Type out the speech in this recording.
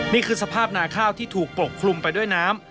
นี่คือสภาพนาข้าวที่ถูกปกคลุมไปด้วยน้ำ